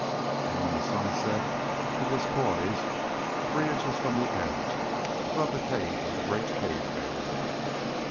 And when the sun set it was poised, three inches from the edge, above the cave of the great cave bear.